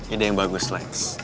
ide yang bagus lex